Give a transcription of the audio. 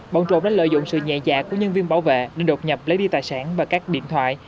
bọn trộm đã lợi dụng sự nhẹ dạ của nhân viên bảo vệ nên đột nhập lấy đi tài sản và các điện thoại